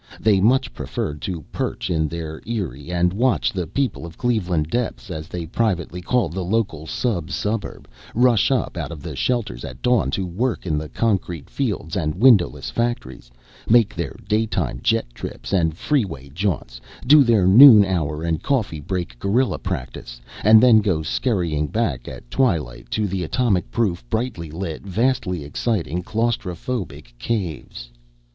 They much preferred to perch in their eyrie and watch the people of Cleveland Depths, as they privately called the local sub suburb, rush up out of the shelters at dawn to work in the concrete fields and windowless factories, make their daytime jet trips and freeway jaunts, do their noon hour and coffee break guerrilla practice, and then go scurrying back at twilight to the atomic proof, brightly lit, vastly exciting, claustrophobic caves.